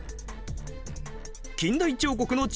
近代彫刻の父